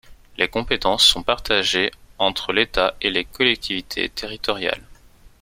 Les compétences sont partagées entre l'État et les collectivités territoriales.